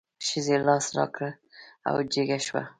ښځې لاس را کړ او جګه شوه.